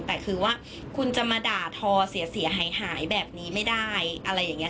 แต่คือว่าคุณจะมาด่าทอเสียหายหายแบบนี้ไม่ได้อะไรอย่างนี้